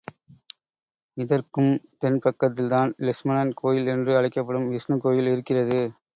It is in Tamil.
இதற்கும் தென் பக்கத்தில்தான் லக்ஷ்மணன் கோயில் என்று அழைக்கப்படும் விஷ்ணு கோயில் இருக்கிறது.